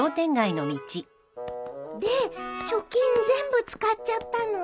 で貯金全部使っちゃったの？